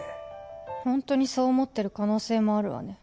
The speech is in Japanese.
夏帆：ホントにそう思ってる可能性もあるわね